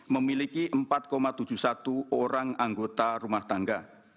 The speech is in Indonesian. memiliki empat tujuh puluh satu orang anggota rumah tangga